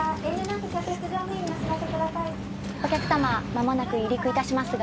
お客様まもなく離陸致しますが。